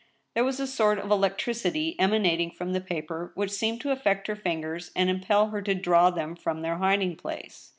There was a sort of electricity emanating from the paper which seemed to affect her fingers and impel her to draw them from their hiding place.